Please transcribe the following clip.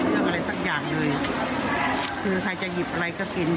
เรื่องอะไรสักอย่างเลยคือใครจะหยิบอะไรก็กิน